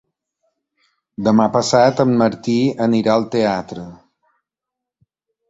Demà passat en Martí anirà al teatre.